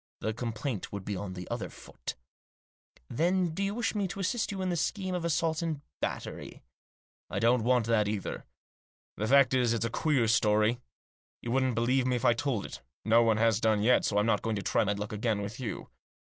The complaint would be on the other foot." j " Then do you wish me to assist you in a scheme of assault and battery ?"" I don't want that either. The fact is, it's a queer story. You wouldn't believe me if I told it ; no one has done yet, so I'm not going to try my luck again with you.